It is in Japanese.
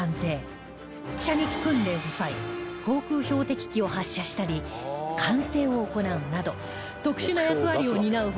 射撃訓練の際航空標的機を発射したり管制を行うなど特殊な役割を担う他